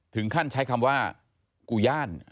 ถึงขั้นใช้คำว่ากูย่าน